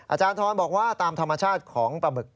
อาจารย์ทรบอกว่าตามธรรมชาติของปลาหมึก